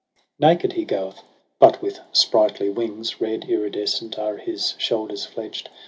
17 Naked he goeth, but with sprightly wings Red, iridescent, are his shoulders fledged.